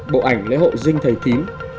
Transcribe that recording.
bộ ảnh lễ hội dinh thầy thím